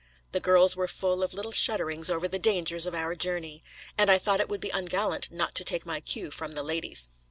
The girls were full of little shudderings over the dangers of our journey. And I thought it would be ungallant not to take my cue from the ladies.